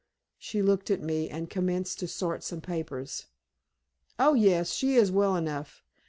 She looked at me, and commenced to sort some papers. "Oh, yes, she is well enough.